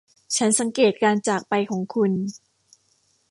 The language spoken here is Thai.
ฉันสังเกตุการจากไปของคุณ